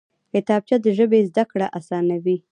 کتابچه د ژبې زده کړه اسانوي